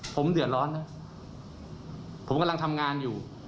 ผมเดือดร้อนนะผมกำลังทำงานอยู่